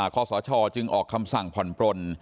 ขอสชจึงออกคำสั่งผ่อนปลน